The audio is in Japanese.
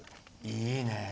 いいねえ。